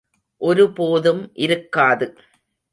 ஒரு போதும் இருக்காது.